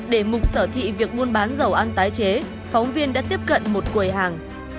để mục sở thị việc buôn bán dầu ăn tái chế phóng viên đã tiếp cận một quầy hàng